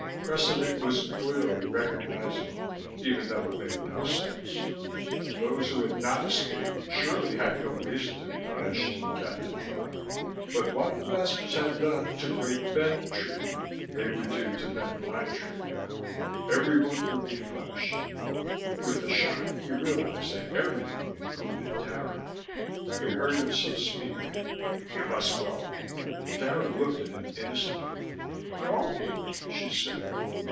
Precedent was clearly recognizable, even though it made no sense. Those who had not escaped surely had no reason to be punished, Cadnan thought. But what the masters had done to Great Bend Tree they would do to Bent Line Tree. Everyone would be punished. With a shock he realized that "everyone" included Dara. He heard himself speak. "You must go." Dara looked at him innocently. "Go?" she said.